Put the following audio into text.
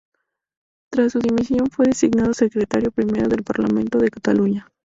Tras su dimisión, fue designado secretario primero del Parlamento de Cataluña.